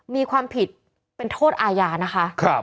มีความผิดเป็นโทษอาญานะคะ